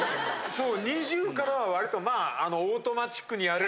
そう。